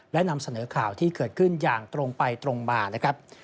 และนำเสนอข่าวที่เกิดขึ้นอย่างตรงไปตรงมานะครับ